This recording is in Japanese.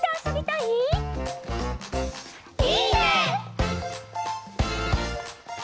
いいね！